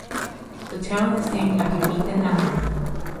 The town is named after Ethan Allen.